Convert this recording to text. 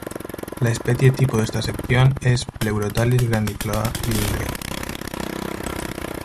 La especie tipo de esta sección es "Pleurothallis grandiflora" Lindley.